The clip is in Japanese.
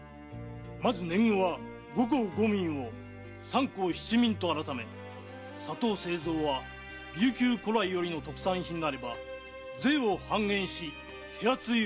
まず年貢は五公五民を三公七民と改め砂糖製造は琉球古来よりの特産品なれば税を半減し手厚い保護を。